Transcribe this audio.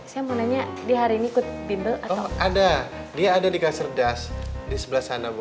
saya mau nanya di hari ini ikut bimbel atau ada dia ada di kecerdas di sebelah sana bu